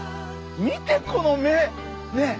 見てこの目！ねえ！